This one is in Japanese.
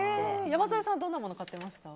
山添さんはどんなもの買ってました？